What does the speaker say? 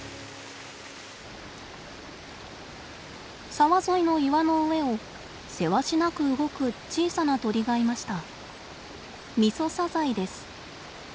沢沿いの岩の上をせわしなく動く小さな鳥がいました。